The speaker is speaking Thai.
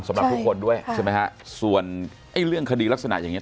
สำหรับทุกคนด้วยใช่ไหมฮะส่วนไอ้เรื่องคดีลักษณะอย่างเง